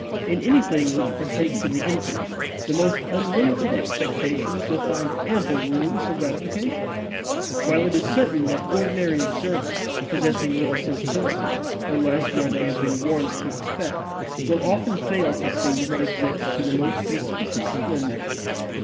In anything which partakes of the infinite, the most unlimited expectations will find ample room for gratification; while it is certain that ordinary observers, possessing little sensibility, unless where they have been warned to expect, will often fail to see what exists in the most conspicuous splendor.